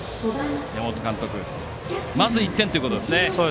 山本監督はまず１点ということですね。